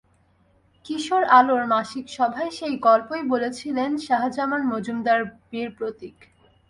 কিশোর আলোর মাসিক সভায় সেই গল্পই বলছিলেন শাহজামান মজুমদার বীর প্রতীক।